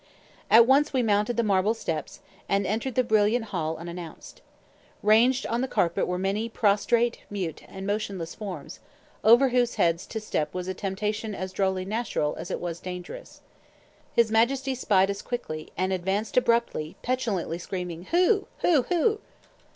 At once we mounted the marble steps, and entered the brilliant hall unannounced. Ranged on the carpet were many prostrate, mute, and motionless forms, over whose heads to step was a temptation as drolly natural as it was dangerous. His Majesty spied us quickly, and advanced abruptly, petulantly screaming, "Who? who? who?"